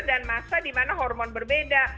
dan masa dimana hormon berbeda